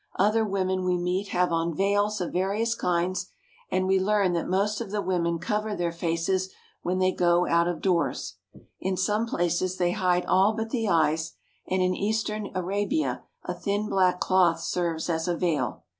Other women we meet have on veils of various kinds, and we learn that most of the women cover their faces when they go out of doors. In some places they hide all but the eyes, and in eastern Arabia a thin black cloth serves as a veil.